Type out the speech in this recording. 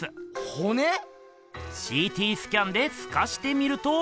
ほね⁉ＣＴスキャンですかしてみるとほら。